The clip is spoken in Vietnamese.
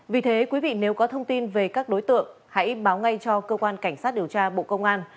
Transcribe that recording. vì thế quý vị nếu có thông tin về các đối tượng hãy báo ngay cho cơ quan cảnh sát điều tra bộ công an